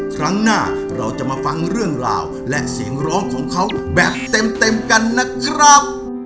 ครั้งหน้าเราจะมาฟังเรื่องราวและเสียงร้องของเขาแบบเต็มกันนะครับ